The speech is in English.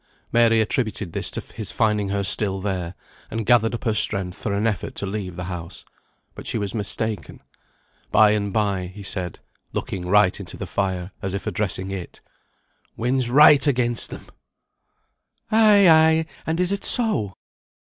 Mary attributed this to his finding her still there, and gathered up her strength for an effort to leave the house. But she was mistaken. By and bye, he said (looking right into the fire, as if addressing it), "Wind's right against them!" "Ay, ay, and is it so?"